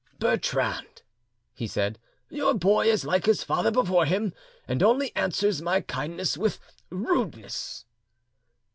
"Bertrande," he said, "your boy is like his father before him, and only answers my kindness with rudeness."